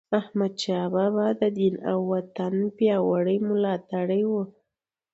احمدشاه بابا د دین او وطن پیاوړی ملاتړی و.